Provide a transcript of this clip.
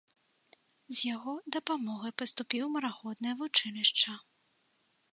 З яго дапамогай паступіў у мараходнае вучылішча.